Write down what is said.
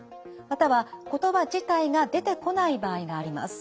または言葉自体が出てこない場合があります。